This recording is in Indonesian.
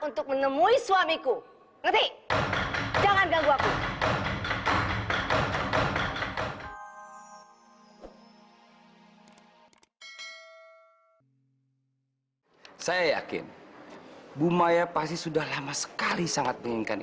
terima kasih banyak fiat